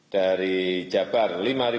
dari jabar lima delapan ratus